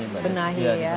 ya di benahi